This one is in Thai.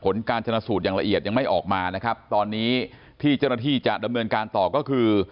ผลการชนะสูตรอย่างละเอียดยังไม่ออกมานะครับตอนนี้ที่เจ้าหน้าที่จะดำเนินการต่อก็คือ